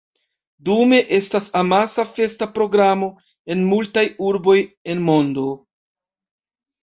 Dume estas amasa festa programo en multaj urboj en mondo.